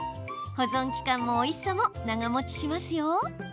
保存期間もおいしさも長もちしますよ。